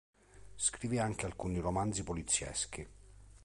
Scrive anche alcuni romanzi polizieschi.